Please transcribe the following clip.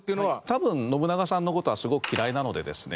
多分信長さんの事はすごく嫌いなのでですね